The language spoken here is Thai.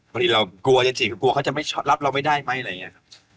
กลัวจริงกลัวเขาจะรับเราไม่ได้ไหมอะไรอย่างนี้ครับ